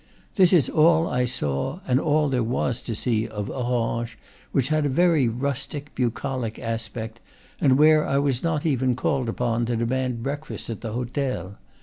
This is all I saw, and all there was to see, of Orange, which had a very rustic, bucolic aspect, and where I was not even called upon to demand break fast at the hotel.